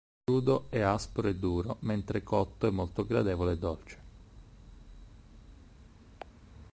Crudo è aspro e duro, mentre cotto è molto gradevole e dolce.